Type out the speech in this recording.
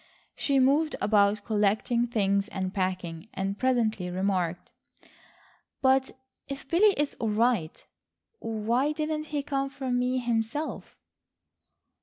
She moved about collecting things and packing, and presently remarked: "But if Billy is all right, why didn't he come for me himself?"